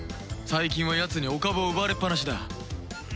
最近はやつにお株を奪われっぱなしだ